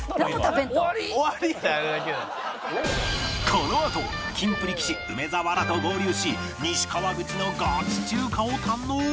このあとキンプリ岸梅沢らと合流し西川口のガチ中華を堪能